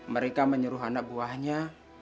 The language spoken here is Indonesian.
mereka menyuruh anak buahnya